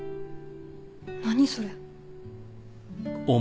何それ。